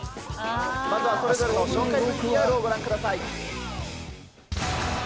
まずはそれぞれの紹介ＶＴＲをご覧ください。